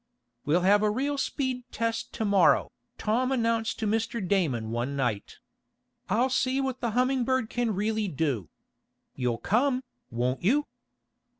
"We'll have a real speed test to morrow," Tom announced to Mr. Damon one night. "I'll see what the Humming Bird can really do. You'll come, won't you?"